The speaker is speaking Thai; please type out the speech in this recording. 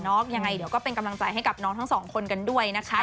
ยังไงเดี๋ยวก็เป็นกำลังใจให้กับน้องทั้งสองคนกันด้วยนะคะ